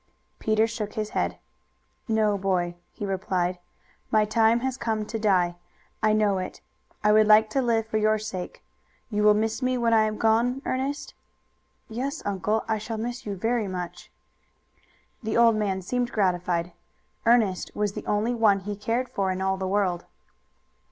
Peter shook his head. "No, boy," he replied; "my time has come to die. I know it. I would like to live for your sake. You will miss me when I am gone, Ernest?" "Yes, uncle, I shall miss you very much." The old man seemed gratified. Ernest was the only one he cared for in all the world.